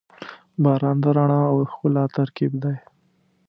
• باران د رڼا او ښکلا ترکیب دی.